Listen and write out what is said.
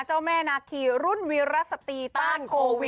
เจ้าแม่นาคีรุ่นวิรสตีต้านโควิด